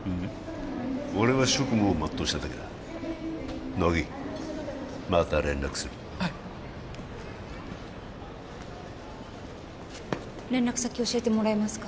俺は職務を全うしただけだ乃木また連絡するはい連絡先教えてもらえますか？